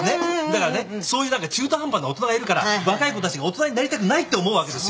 だからねそういう中途半端な大人がいるから若い子たちが大人になりたくないって思うわけですよ。